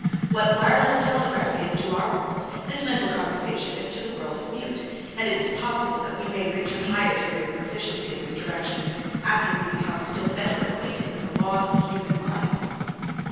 What wireless telegraphy is to our world, this mental conversation is to the world of Mute, and it is possible that we may reach a higher degree of proficiency in this direction after we become still better acquainted with the laws of the human mind.